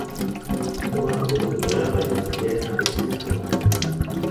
Los síntomas pueden durar varios días, a veces hasta una semana.